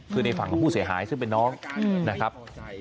ไปในฝั่งผู้เศรษฐายนะครับ